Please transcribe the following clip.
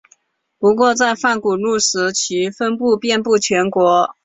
不过在泛古陆时其分布遍布全球。